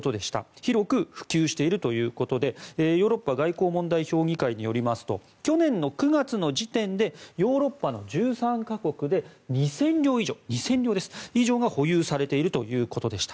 広く普及しているということでヨーロッパ外交問題評議会によりますと去年の９月の時点でヨーロッパの１３か国で２０００両以上が保有されているということでした。